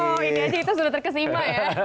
ini aja itu sudah terkesima ya